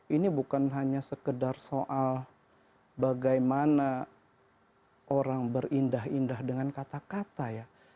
ini bukan hanya sekedar soal bagaimana orang berindah indah dengan kata kata ya